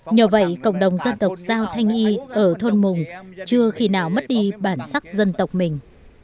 nhờ vậy cộng đồng dân tộc giao thanh y ở thôn mùng chưa khi nào mất đi bản sắc dân tộc mình